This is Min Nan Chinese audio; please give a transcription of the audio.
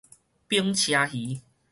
反車魚